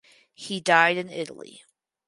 He died in Italy.